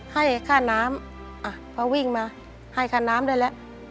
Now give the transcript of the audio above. ให้ค่าน้ำอ่ะพอวิ่งมาให้ค่าน้ำได้แล้ว